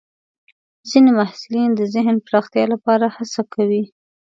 ځینې محصلین د ذهن پراختیا لپاره هڅه کوي.